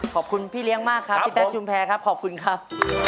ขอบคุณพี่เลี้ยงมากพี่แต้จุมแพรนะครับขอบคุณครับ